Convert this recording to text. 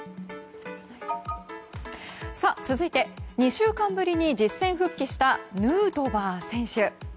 続いて２週間ぶりに実戦復帰したヌートバー選手。